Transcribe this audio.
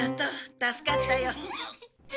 助かったよ。